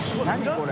これ。